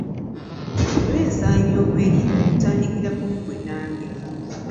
Okunyweza ebyokwerinda kutandikira kugwe nange.